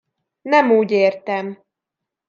Nem úgy értem!